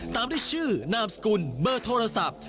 ตามด้วยชื่อนามสกุลเบอร์โทรศัพท์